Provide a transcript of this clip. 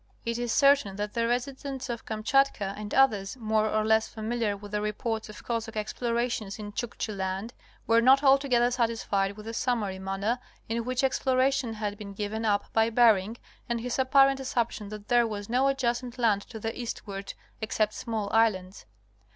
It is certain that the residents of Kamchatka and others more or less familiar with the reports of Cossack explorations in Chukchi land were not altogether satisfied with the summary manner in which exploration had been given up by Bering, and his apparent assumption that there was no adjacent land to the eastward except small islands.